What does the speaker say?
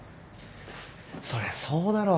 そりゃそうだろ。